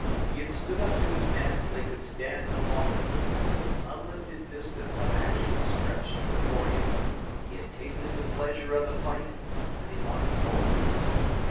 He had stood up to his man till he could stand no longer. An unlimited vista of action stretched before him. He had tasted the pleasure of the fight, and he wanted more.